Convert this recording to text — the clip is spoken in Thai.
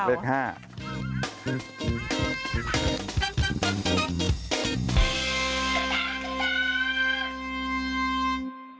เดี๋ยวกลับมาเลข๕